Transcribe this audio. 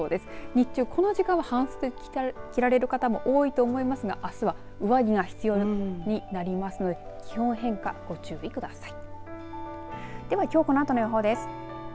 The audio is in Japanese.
日中、この時間は半袖着られる方も多いと思いますがあすは上着が必要になりますので気温の変化、ご注意ください。